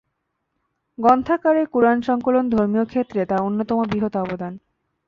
গ্রন্থাকারে কুরআন সংকলন ধর্মীয় ক্ষেত্রে তার অন্যতম বৃহৎ অবদান।